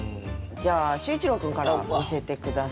じゃあ秀一郎君から見せて下さい。